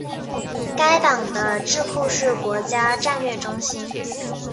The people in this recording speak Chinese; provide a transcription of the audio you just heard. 该党的智库是国家战略中心。